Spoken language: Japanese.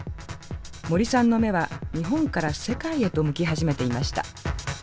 森さんの目は日本から世界へと向き始めていました。